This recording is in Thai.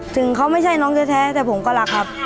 ถึงเขาไม่ใช่น้องแท้แต่ผมก็รักครับ